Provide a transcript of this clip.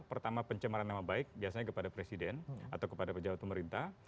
pertama pencemaran nama baik biasanya kepada presiden atau kepada pejabat pemerintah